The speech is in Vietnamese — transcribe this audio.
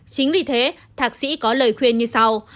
chính vì thế thạc sĩ có lời khuyên như sau